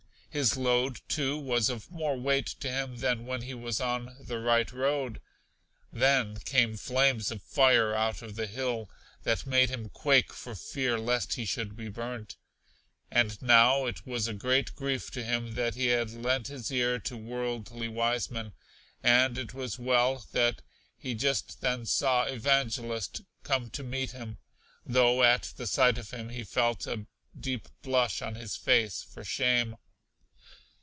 His load, too, was of more weight to him than when he was on the right road. Then came flames of fire out of the hill, that made him quake for fear lest he should be burnt. And now it was a great grief to him that he had lent his ear to Worldly Wiseman; and it was well that he just then saw Evangelist come to meet him; though at the sight of him he felt a deep blush on his face for shame.